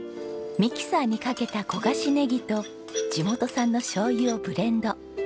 ミキサーにかけた焦がしねぎと地元産のしょうゆをブレンド。